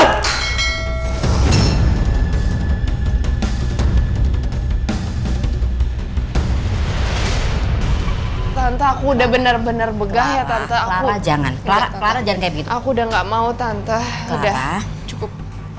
datang tak udah bener bener begatlah jangan juga nggak mau tante udah cukup